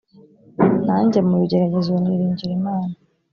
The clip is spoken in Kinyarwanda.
nanjye mu bigeragezo niringira imana